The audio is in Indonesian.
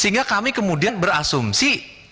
sehingga kami kemudian berasumsi